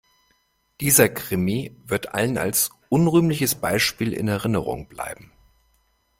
Dieser Krimi wird allen als unrühmliches Beispiel in Erinnerung bleiben.